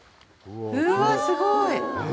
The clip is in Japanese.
うわ、すごーい。